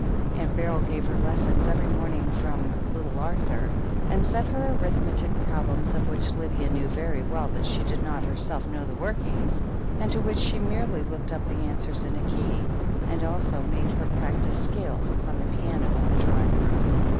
Aunt Beryl gave her lessons every morning from ''Little Arthur," and set her arithmetic problems of which Lydia knew very well that she did not herself know the workings, and to which she merely looked up the answers in a key, and also made her practise scales upon the piano in the drawing room.